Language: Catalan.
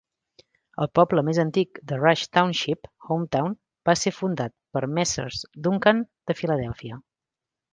El poble més antic de Rush Township, Hometown, va ser fundat per Messrs. Duncan de Filadèlfia.